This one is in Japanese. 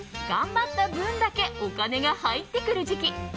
頑張った分だけお金が入ってくる時期。